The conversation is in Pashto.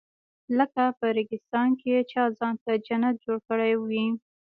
لکه په ریګستان کې چا ځان ته جنت جوړ کړی وي.